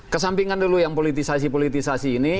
kesampingan dulu yang politisasi politisasi ini